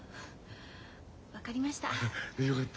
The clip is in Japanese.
分かりました。